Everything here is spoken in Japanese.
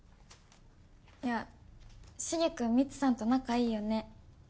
いやしげ君ミツさんと仲いいよね